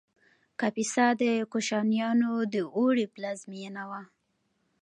کاپیسا د کوشانیانو د اوړي پلازمینه وه